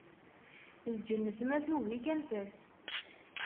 Lǧennet ma tugi-k, anef-as.